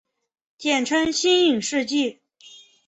简称新影世纪。